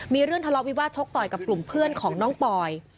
มีเรื่องทะเลาะวิวาสชกต่อยกับกลุ่มเพื่อนของน้องปอย